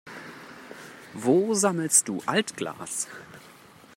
Wo sammelst du Altglas?